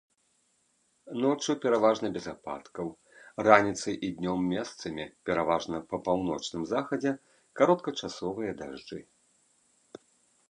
Ноччу пераважна без ападкаў, раніцай і днём месцамі, пераважна па паўночным захадзе кароткачасовыя дажджы.